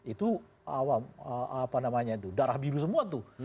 itu apa namanya itu darah biru semua tuh